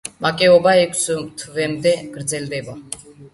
მაკეობა ექვს თვემდე გრძელდება.